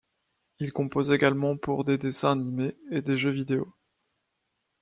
Il compose également pour des dessins animés et des jeux vidéo.